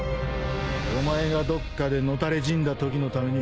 お前がどっかで野垂れ死んだときのために。